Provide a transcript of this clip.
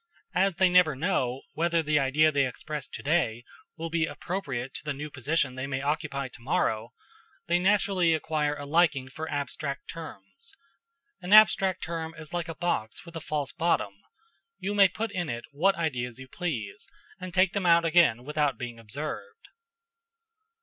As they never know whether the idea they express to day will be appropriate to the new position they may occupy to morrow, they naturally acquire a liking for abstract terms. An abstract term is like a box with a false bottom: you may put in it what ideas you please, and take them out again without being observed.